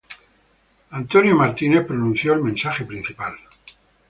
Christophe Pierre, pronunció el mensaje principal.